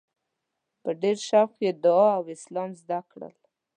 په ډېر شوق مې دعا او سلام زده کړل.